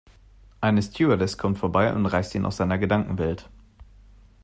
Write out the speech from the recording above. Eine Stewardess kommt vorbei und reißt ihn aus seiner Gedankenwelt.